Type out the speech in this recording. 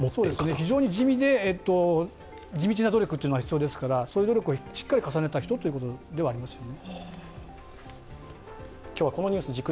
非常に地道な努力が必要ですから、そういう努力をしっかり重ねた人ということではありますよね。